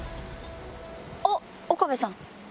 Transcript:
あっ岡部さん。